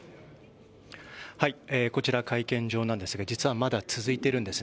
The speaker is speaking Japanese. こちら、会見場なんですが実はまだ続いているんです。